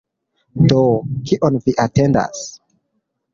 Do, kion vi atendas?